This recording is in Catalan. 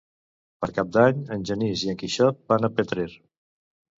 Per Cap d'Any en Genís i en Quixot van a Petrer.